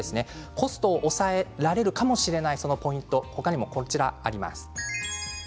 コストを抑えられるかもしれないポイント、こちらがあります。